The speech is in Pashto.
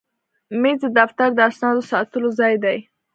مېز د دفتر د اسنادو ساتلو ځای دی.